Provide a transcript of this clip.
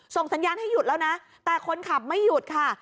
สัญญาณให้หยุดแล้วนะแต่คนขับไม่หยุดค่ะ